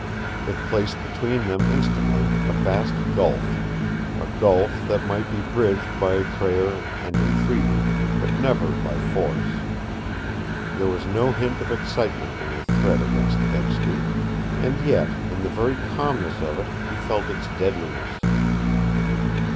It placed between them instantly a vast gulf, a gulf that might be bridged by prayer and entreaty, but never by force. There was no hint of excitement in her threat against Kedsty, and yet in the very calmness of it he felt its deadliness.